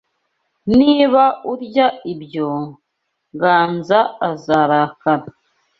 Niba urya ibyo, Ganza azarakara.